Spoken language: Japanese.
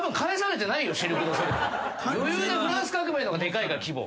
余裕でフランス革命の方がでかいから規模。